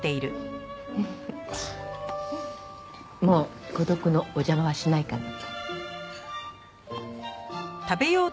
もう孤独のお邪魔はしないから。